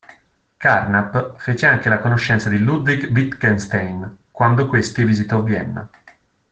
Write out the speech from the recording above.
Carnap fece anche la conoscenza di Ludwig Wittgenstein quando questi visitò Vienna.